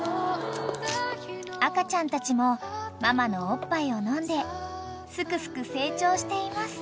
［赤ちゃんたちもママのおっぱいを飲んですくすく成長しています］